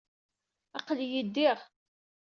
Aql-iyi ddiɣ.